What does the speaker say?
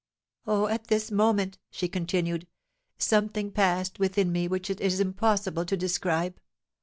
"Oh! at this moment," she continued, "something passed within me which it is impossible to describe.